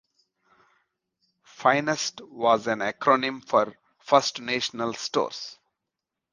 Finast was an acronym for First National Stores.